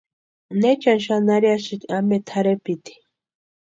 ¿Neechani xani arhiasïni ampe tʼarhepiti?